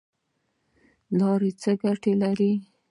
لاړې څه ګټه لري؟